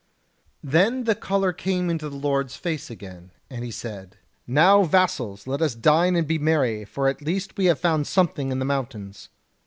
"Then the colour came into the Lord's face again, and he said: 'Now, vassals, let us dine and be merry, for at least we have found something in the mountains.'